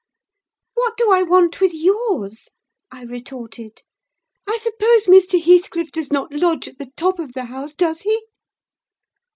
"What do I want with yours?" I retorted. "I suppose Mr. Heathcliff does not lodge at the top of the house, does he?"